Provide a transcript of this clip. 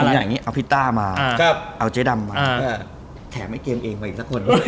ผมอยากอย่างงี้เอาพี่ต้ามาครับเอาเจ๊ดำมาอ่าแถมไอ้เกมเองมาอีกสักคน